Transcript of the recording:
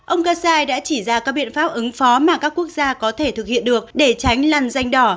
ông kassai đã chỉ ra các biện pháp ứng phó mà các quốc gia có thể thực hiện được để tránh lằn danh đỏ